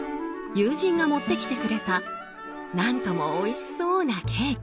友人が持ってきてくれた何ともおいしそうなケーキ。